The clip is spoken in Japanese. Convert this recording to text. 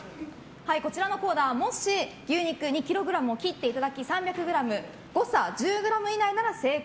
こちらのコーナーもし牛肉２ｋｇを切っていただき３００ｇ誤差１０ｇ以内なら成功。